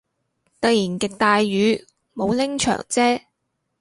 突然極大雨，冇拎長遮